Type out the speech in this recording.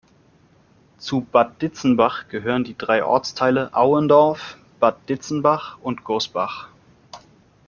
Zu Bad Ditzenbach gehören die drei Ortsteile Auendorf, Bad Ditzenbach und Gosbach.